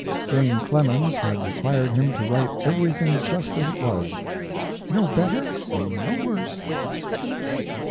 Jane Clemens had required him to write everything just as it was "no better and no worse."